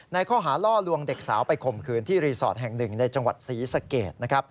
ข้อหาล่อลวงเด็กสาวไปข่มขืนที่รีสอร์ทแห่งหนึ่งในจังหวัดศรีสะเกดนะครับ